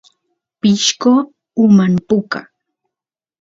pishqo uman puka